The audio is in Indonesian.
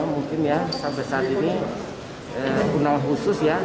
mungkin ya sampai saat ini undang khusus ya